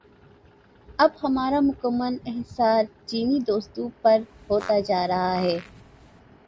اب ہمارا مکمل انحصار چینی دوستوں پہ ہوتا جا رہا ہے۔